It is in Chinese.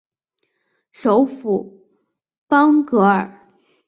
首府邦戈尔。